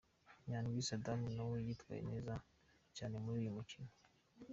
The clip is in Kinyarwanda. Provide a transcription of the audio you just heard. Nyandwi Sadam nawe yitwaye neza cyane muri uyu mukino.